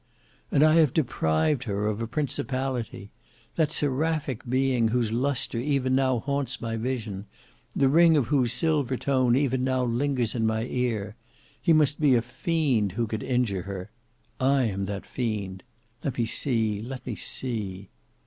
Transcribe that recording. "And I have deprived her of a principality! That seraphic being whose lustre even now haunts my vision; the ring of whose silver tone even now lingers in my ear. He must be a fiend who could injure her. I am that fiend. Let me see—let me see!"